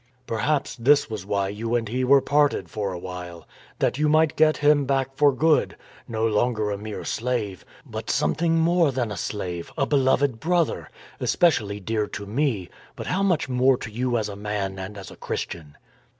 " Perhaps this was why you and he were parted for a while, that you might get him back for good, no longer a mere slave, but something more than a slave — a beloved brother; especially dear to me, but how much more to you as a man and as a Christian